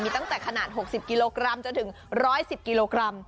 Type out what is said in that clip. ตั้งแต่ขนาด๖๐กิโลกรัมจนถึง๑๑๐กิโลกรัม